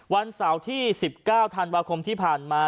วันเสาร์ที่๑๙ธันวาคมที่ผ่านมา